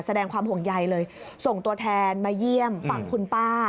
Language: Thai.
แสดงความห่วงใยเลยส่งตัวแทนมาเยี่ยมฝั่งคุณป้า